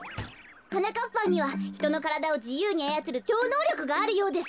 はなかっぱんにはひとのからだをじゆうにあやつるちょうのうりょくがあるようです。